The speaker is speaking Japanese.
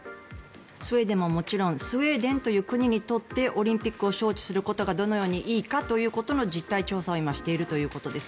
スウェーデンももちろんスウェーデンという国にとってオリンピックを招致することがどのようにいいかということを実態調査を今しているということです。